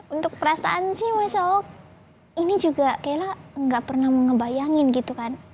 untuk perasaan sih masya allah ini juga kaila enggak pernah ngebayangin gitu kan